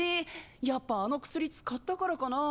やっぱあの薬使ったからかなぁ。